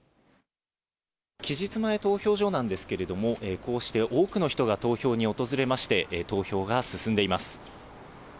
期日前投票所なんですけれども、こうして多くの人が投票に訪れまして、投票が進んでいます。